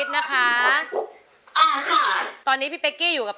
โทรหาคนรู้จัก